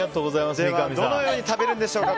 どのように食べるんでしょうか。